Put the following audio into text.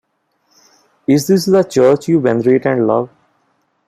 Is this the Church you venerate and love?